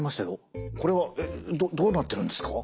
これはどうなってるんですか？